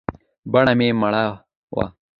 بڼه يې مړه وه .